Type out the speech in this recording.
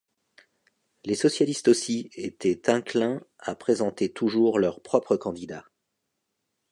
Les socialistes aussi étaient inclins à présenter toujours leurs propres candidats.